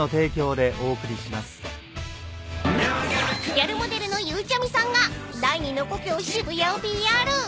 ［ギャルモデルのゆうちゃみさんが第２の故郷渋谷をＰＲ］